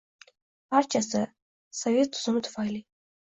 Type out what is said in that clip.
Barchasi... sovet tuzumi tufayli».